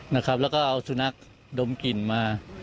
นะครับแล้วก็เอาสุนักดมกลิ่นมา